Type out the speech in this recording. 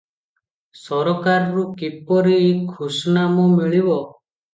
ସରକାରରୁ କିପରି ଖୁସ୍-ନାମ ମିଳିବ